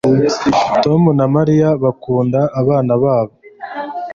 Tom na Mariya bakunda abana babo